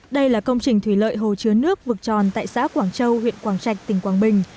đây là công trình thủy lợi hồ chứa nước vực tròn tại xã quảng châu huyện quảng trạch tỉnh quảng bình